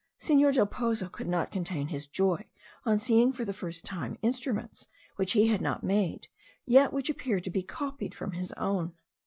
Senor del Pozo could not contain his joy on seeing for the first time instruments which he had not made, yet which appeared to be copied from his own.